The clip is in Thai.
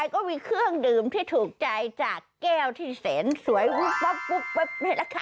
ก็มีเครื่องดื่มที่ถูกใจจากแก้วที่เซ็นสวยปุ๊บปุ๊บปุ๊บเป็นแล้วค่ะ